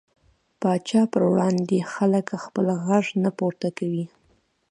پاچا پر وړاندې خلک خپل غږ نه پورته کوي .